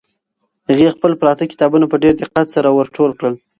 هغې خپل پراته کتابونه په ډېر دقت سره ور ټول کړل.